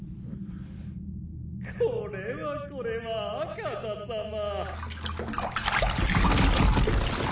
これはこれは猗窩座さま。